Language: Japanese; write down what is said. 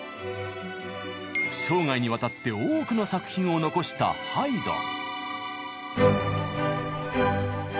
生涯にわたって多くの作品を残したハイドン。